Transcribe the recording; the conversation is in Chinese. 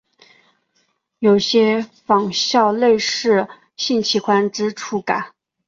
有些仿效类似性器官之触感。